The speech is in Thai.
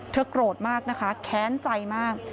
โกรธมากนะคะแค้นใจมาก